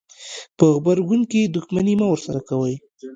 په غبرګون کې دښمني مه ورسره کوئ.